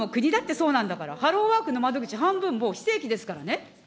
そうなんだから、ハローワークの窓口、半分もう非正規ですからね。